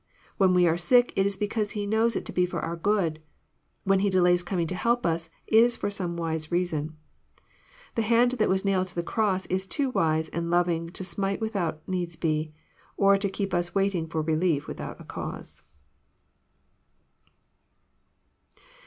When we are sick, it is because He knows it to be for our good ; when He delays coming to help us, it is for some wise reason. The hand that was nailed to the cross is too wise and loving to smite without a needs be, or to keep us waiting for relief without a cause.